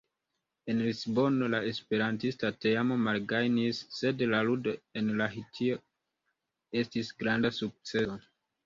En Lisbono la esperantista teamo malgajnis, sed la ludo en Lahtio estis granda sukceso.